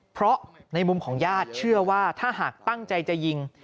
เพราะในมุมของญาติเชื่อว่าถ้าหากตั้งใจจะยิง